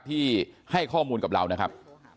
ที่ให้ข้อมูลกับเรานะครับ